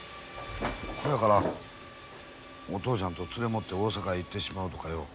ほやからお父ちゃんとつれもって大阪へ行ってしまうとかよ。